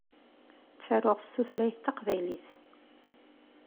Ttaruɣ s tutlayt taqbaylit.